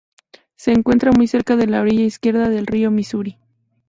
Se encuentra muy cerca de la orilla izquierda del río Misuri.